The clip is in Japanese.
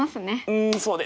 うんそうですね。